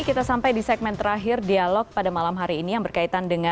kita sampai di segmen terakhir dialog pada malam ketua